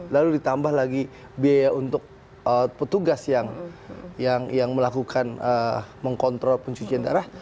lalu ditambah lagi biaya untuk petugas yang melakukan mengkontrol pencucian darah